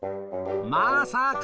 まさか